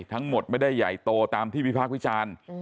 ทั้งหมดไม่ได้ใหญ่โตตามที่วิพากษ์วิจารณ์